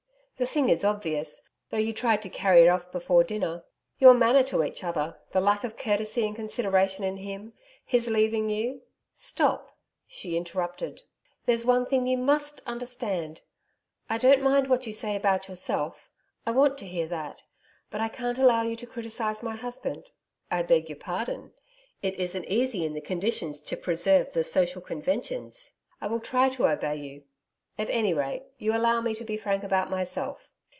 'The thing is obvious; though you tried to carry it off before dinner. Your manner to each other; the lack of courtesy and consideration in him; his leaving you....' 'Stop,' she interrupted. 'There's one thing you MUST understand. I don't mind what you say about yourself I want to hear that but I can't allow you to criticise my husband.' 'I beg your pardon. It isn't easy in the conditions to preserve the social conventions. I will try to obey you. At any rate, you allow me to be frank about myself....